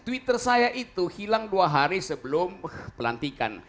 twitter saya itu hilang dua hari sebelum pelantikan